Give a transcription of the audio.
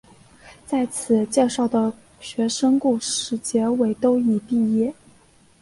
在此介绍的学生故事结尾都已毕业。